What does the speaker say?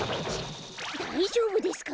だいじょうぶですか？